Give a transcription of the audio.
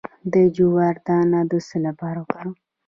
د جوار دانه د څه لپاره وکاروم؟